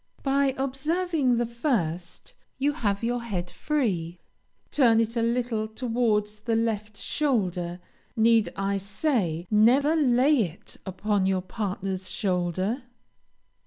By observing the first, you have your head free; turn it a little towards the left shoulder; need I say, never lay it upon your partner's shoulder?